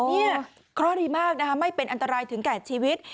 นี่ข้อดีมากไม่เป็นอันตรายถึงแก่ชีวิต